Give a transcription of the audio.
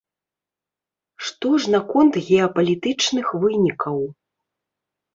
Што ж наконт геапалітычных вынікаў?